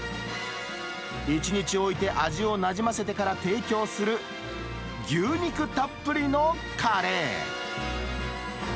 １日置いて味をなじませてから提供する牛肉たっぷりのカレー。